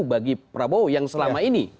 bagi prabowo yang selama ini